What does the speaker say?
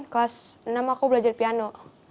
kelas enam aku belajar piano